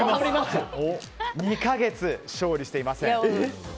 ２か月、勝利していません。